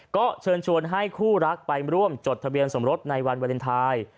ก็เชิญชวนให้คู่รักไปร่วมจดทะเบียนสมรสในวันวาเลนไทย